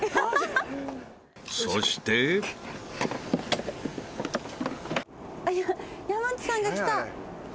［そして］山内さんが来た。